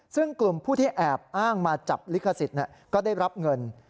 ซึ่งกลุ่มผู้ที่แอบอ้างมาจับลิขสิทธิ์ก็ได้รับเงิน